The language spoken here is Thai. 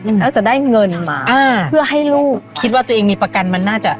แล้วจะได้เงินมาอ่าเพื่อให้ลูกคิดว่าตัวเองมีประกันมันน่าจะ